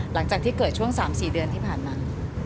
หลังจากที่เกิดช่วง๓๔เดือนที่ผ่านมา